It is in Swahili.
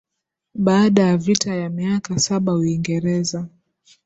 Baada ya Vita ya miaka saba Uingereza